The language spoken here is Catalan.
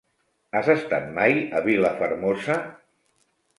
Has estat mai a Vilafermosa?